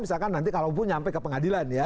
misalkan nanti kalau pun sampai ke pengadilan ya